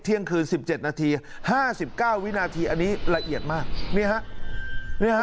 เที่ยงคืน๑๗นาที๕๙วินาทีอันนี้ละเอียดมากนี่ฮะ